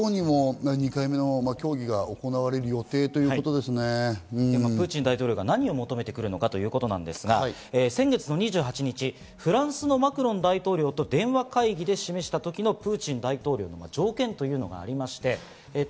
今日にも２回目の協議が行われる予定というプーチン大統領が何を求めてくるのかということなんですが、先月の２８日、フランスのマクロン大統領と電話会議で示した時のプーチン大統領の条件がありました。